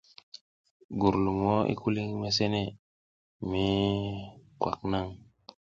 Gurlumo i kuli ngi mesene mi kwak naŋ.